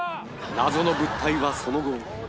謎の物体はその後